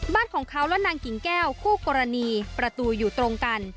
บ้านของเขาและนางกิ่งแก้วคู่กรณีประตูอยู่ตรงกัน